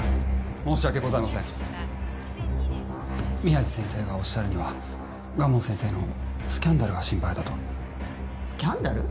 申し訳ございません宮地先生がおっしゃるには蒲生先生のスキャンダルが心配だとスキャンダル？